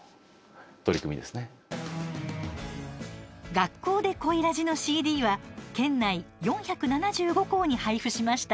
「学校ｄｅコイらじ」のＣＤは県内４７５校に配布しました。